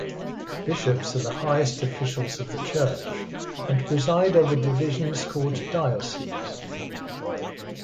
Bishops are the highest officials of the church, and preside over divisions called "dioceses".